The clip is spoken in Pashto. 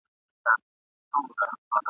مینه د انسان در پکښي غواړم اورنۍ !.